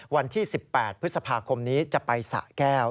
วันที่๑๘พฤษภาคมนี้จะไปสะแก้ว